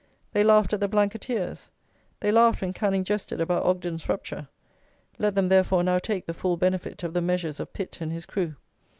They laughed at the Blanketteers. They laughed when Canning jested about Ogden's rupture. Let them, therefore, now take the full benefit of the measures of Pitt and his crew.